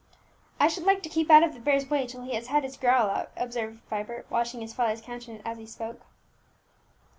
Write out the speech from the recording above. "I should like to keep out of the bear's way till he has had his growl out," observed Vibert, watching his father's countenance as he spoke.